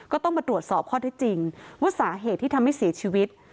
ก็ต้องมาตรวจสอบข้อที่จริงว่าสาเหตุที่ทำให้เสียชีวิต